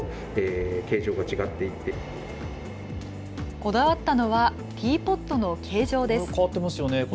こだわったのはティーポットの形状です。